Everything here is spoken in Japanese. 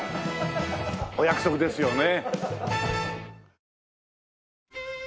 お約束ですよね。